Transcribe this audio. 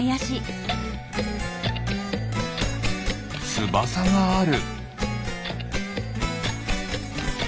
つばさがある。